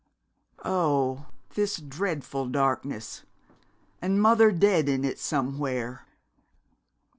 "_Oh, this dreadful darkness, and mother dead in it somewhere!